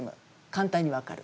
簡単に分かる。